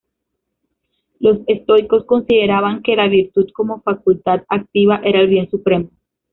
Los estoicos consideraban que la virtud, como facultad activa, era el bien supremo.